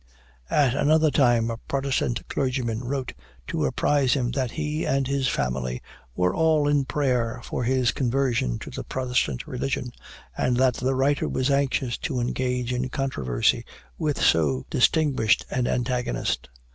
At another time a Protestant clergyman wrote to apprise him that he and his family were all in prayer for his conversion to the Protestant religion; and that the writer was anxious to engage in controversy with so distinguished an antagonist.